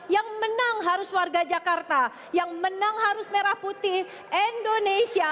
yang menang harus warga jakarta yang menang harus merah putih indonesia